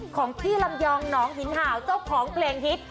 ของพี่ลำยองหนองหินห่าวเจ้าของเพลงฮิต